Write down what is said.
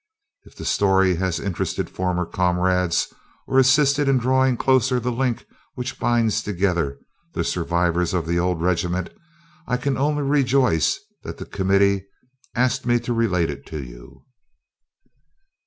If the story has interested former comrades or assisted in drawing closer the link which binds together the survivors of the old regiment, I can only rejoice that the committee asked me to relate it to you.